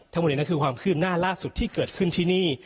ทั้งหมดนี้นั่นคือความคืบหน้าล่าสุดที่เกิดขึ้นที่นี่